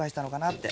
って。